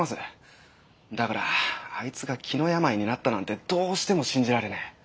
だからあいつが気の病になったなんてどうしても信じられねえ。